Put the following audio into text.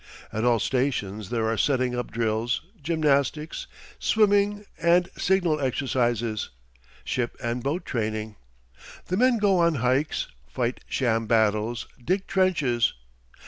At all stations there are setting up drills, gymnastic, swimming and signal exercises, ship and boat training. The men go on hikes, fight sham battles, dig trenches.